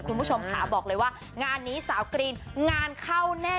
คุณผู้ชมค่ะบอกเลยว่างานนี้สาวกรีนงานเข้าแน่